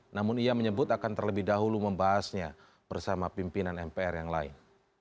namun ia menyebut akan terlebih dahulu membahasnya bersama pimpinan mpr yang lain